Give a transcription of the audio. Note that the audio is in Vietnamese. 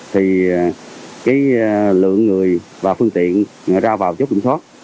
thì cái lượng người và phương tiện ra vào chốt kiểm soát